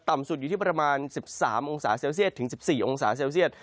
ต่ำสุดอยู่ที่ประมาณ๑๓๑๔องศาเซลเซียส